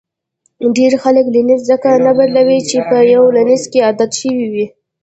ډېری خلک لینز ځکه نه بدلوي چې په یو لینز کې عادت شوي وي.